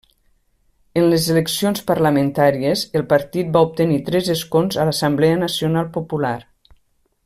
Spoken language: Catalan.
En les eleccions parlamentàries, el partit va obtenir tres escons a l'Assemblea Nacional Popular.